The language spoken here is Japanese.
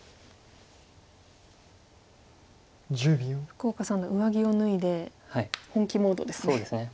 福岡三段上着を脱いで本気モードですね。